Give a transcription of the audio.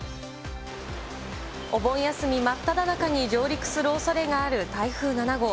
お盆休み真っただ中に上陸するおそれがある台風７号。